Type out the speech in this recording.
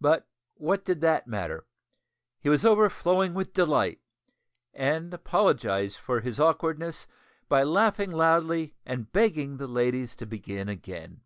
But what did that matter? He was overflowing with delight, and apologised for his awkwardness by laughing loudly and begging the ladies to begin again.